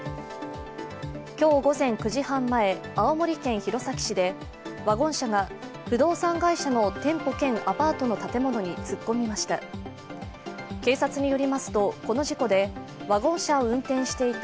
今日午前９時半前、青森県弘前市でワゴン車が不動産会社の店舗兼アパートの建物に突っ込みました。